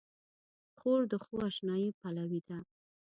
خور د ښو اشنايي پلوي ده.